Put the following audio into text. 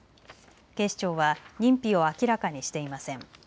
警視庁は認否を明らかにしていません。